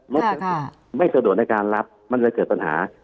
รถไม่สะดวกในการรับมันจะเกิดปัญหา